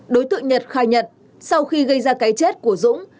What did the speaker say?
đối tượng nhật khai nhận sau khi gây ra cái chết của dũng